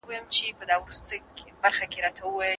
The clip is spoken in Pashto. ما پرون یو سړی ولیدی چي په سختۍ کي یې هم شکر کوی.